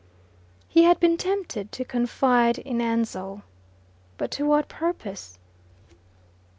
He had been tempted to confide in Ansell. But to what purpose?